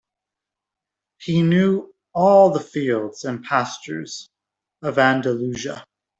He knew all the fields and pastures of Andalusia.